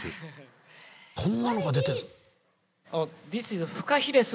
こんなのが出てる。